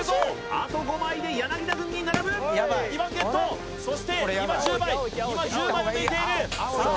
あと５枚で柳田軍に並ぶ２番ゲットそして今１０枚今１０枚を抜いているさあ